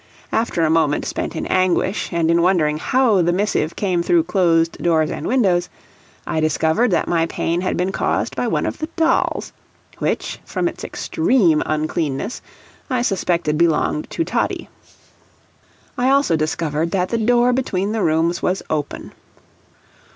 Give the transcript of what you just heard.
After a moment spent in anguish, and in wondering how the missive came through closed doors and windows, I discovered that my pain had been caused by one of the dolls, which, from its extreme uncleanness, I suspected belonged to Toddie; I also discovered that the door between the rooms was open.